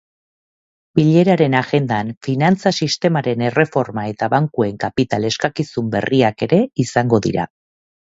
Bileraren agendan finantza sistemaren erreforma eta bankuen kapital eskakizun berriak ere izango dira.